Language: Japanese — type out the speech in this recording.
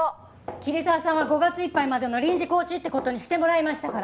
桐沢さんは５月いっぱいまでの臨時コーチって事にしてもらいましたから。